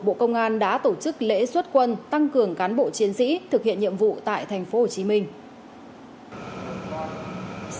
bộ công an đã tổ chức lễ xuất quân tăng cường cán bộ chiến sĩ